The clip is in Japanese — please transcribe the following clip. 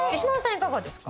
いかがですか？